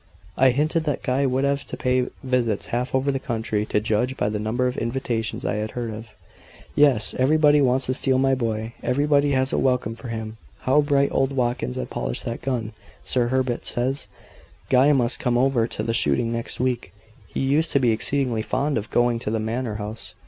I hinted that Guy would have to pay visits half over the country, to judge by the number of invitations I had heard of. "Yes. Everybody wants to steal my boy. Everybody has a welcome for him. How bright old Watkins has polished that gun! Sir Herbert says, Guy must come over to the shooting next week. He used to be exceedingly fond of going to the manor house."